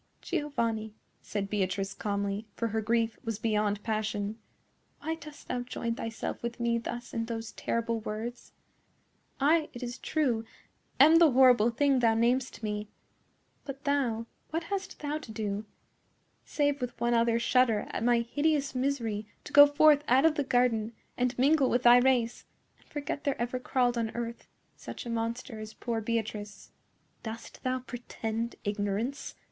"Giovanni," said Beatrice, calmly, for her grief was beyond passion, "why dost thou join thyself with me thus in those terrible words? I, it is true, am the horrible thing thou namest me. But thou,—what hast thou to do, save with one other shudder at my hideous misery to go forth out of the garden and mingle with thy race, and forget there ever crawled on earth such a monster as poor Beatrice?" "Dost thou pretend ignorance?"